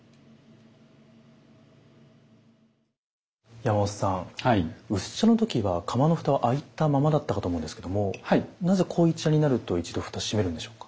山本さん薄茶の時は釜の蓋は開いたままだったかと思うんですけどもなぜ濃茶になると一度蓋閉めるんでしょうか。